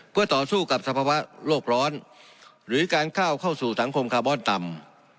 เพื่อต่อสู้กับสภาวะโลกร้อนหรือการก้าวเข้าสู่สังคมคาร์บอนต่ำ